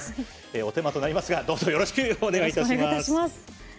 お手間となりますがどうぞよろしくお願いします。